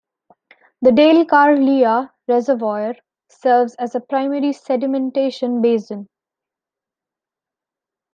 The Dalecarlia Reservoir serves as a primary sedimentation basin.